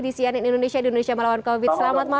di cnn indonesia di indonesia melawan covid